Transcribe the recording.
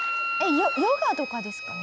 ヨガとかですかね？